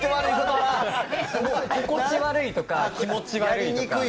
心地悪いとか、気持ち悪いとか。